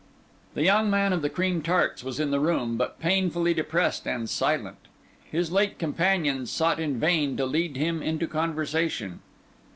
The young man of the cream tarts was in the room, but painfully depressed and silent. His late companions sought in vain to lead him into conversation.